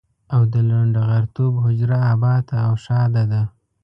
او د لنډه غرتوب حجره اباده او ښاده ده.